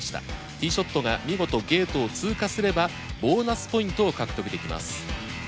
Ｔｅｅショットが見事ゲートを通過すればボーナスポイントを獲得できます。